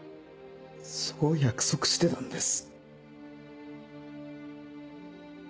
そう約束してたんです。